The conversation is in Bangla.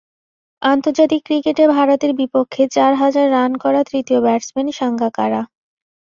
আন্তর্জাতিক ক্রিকেটে ভারতের বিপক্ষে চার হাজার রান করা তৃতীয় ব্যাটসম্যান সাঙ্গাকারা।